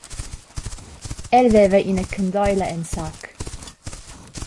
El haveva ina candeila en sac.